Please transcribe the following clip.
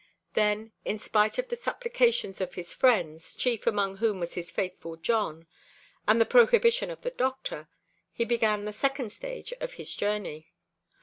Then, in spite of the supplications of his friends, chief among whom was his faithful Jon, and the prohibition of the doctor, he began the second stage of his journey.